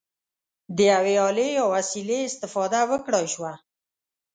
د یوې الې یا وسیلې استفاده وکړای شوه.